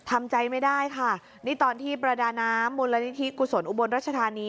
ทำใจไม่ได้ค่ะนี่ตอนที่ประดาน้ำมูลนิธิกุศลอุบลรัชธานี